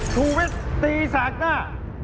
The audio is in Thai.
ทูวิสต์ตีสากหน้า